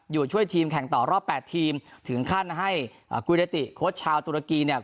อยู่ช่วยทีมแข่งต่อรอบแปดทีมถึงขั้นให้อ่ากุเยติโค้ชชาวตุรกีเนี่ย